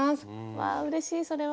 わあうれしいそれは。